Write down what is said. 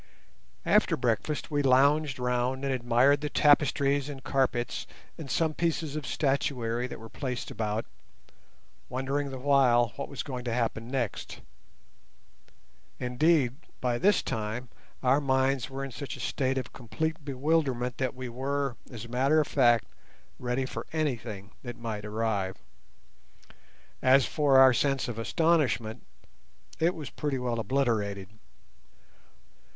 After breakfast we lounged round and admired the tapestries and carpets and some pieces of statuary that were placed about, wondering the while what was going to happen next. Indeed, by this time our minds were in such a state of complete bewilderment that we were, as a matter of fact, ready for anything that might arrive. As for our sense of astonishment, it was pretty well obliterated.